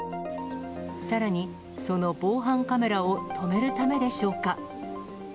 さらに、その防犯カメラを止めるためでしょうか。